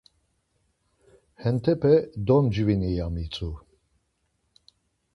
Hentere domcvini ya mitzu.